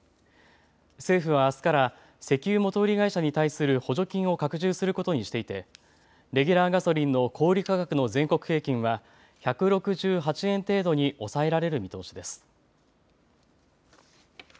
政府はあすから石油元売り会社に対する補助金を拡充することにしていてレギュラーガソリンの小売価格の全国平均は１６８円程度に抑えられる見通しです。